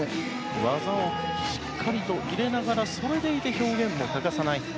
技をしっかりと入れながらそれでいて表現も欠かさない。